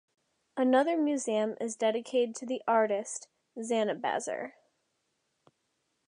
Another museum is dedicated to the artist, Zanabazar.